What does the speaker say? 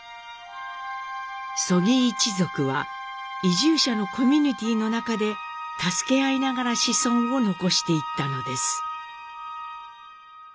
曽木一族は移住者のコミュニティーの中で助け合いながら子孫を残していったのです。